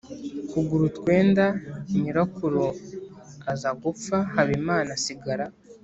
kugura utwenda. Nyirakuru aza gupfa, Habimana asigara